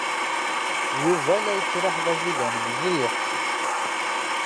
Yuba la yettraḥ d aẓidan mliḥ.